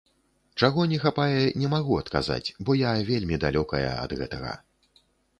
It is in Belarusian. Чаго не хапае, не магу адказаць, бо я вельмі далёкая ад гэтага!